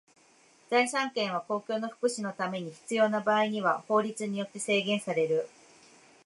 財産権は公共の福祉のために必要な場合には法律によって制限される。